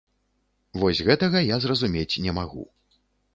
Вось гэтага я зразумець не магу.